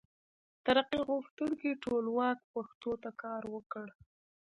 ترقي غوښتونکي ټولواک پښتو ته کار وکړ.